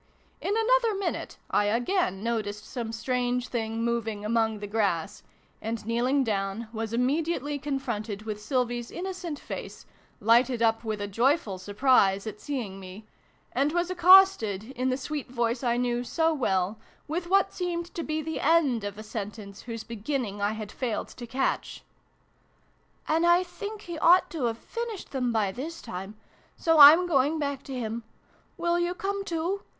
In another minute I again noticed some strange thing moving among the grass, and, kneeling down, was immediately confronted with Sylvie's innocent face, lighted up with a joyful surprise at seeing me, and was accosted, in the sweet voice I knew so well, with what seemed to be the end of a sentence whose beginning I had failed to catch. " and I think he ought to have finished them by this time. So I'm going back to him. Will you come too